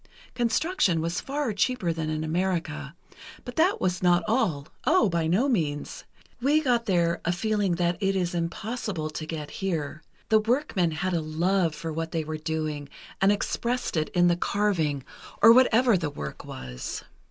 Construction was far cheaper than in America, but that was not all—oh, by no means! We got there a feeling that it is impossible to get here: the workmen had a love for what they were doing and expressed it in the carving, or whatever the work was."